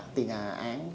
tì ngà án